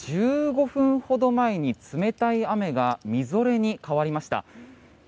１５分ほど前に冷たい雨がみぞれに変わりました。